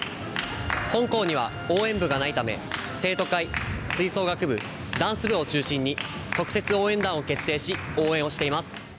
本校には応援部がないため生徒会、吹奏楽部、ダンス部を中心に特設応援団を結成し応援をしています。